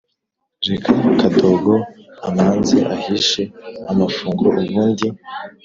reka kadogo amanze ahishe amafunguro ubundi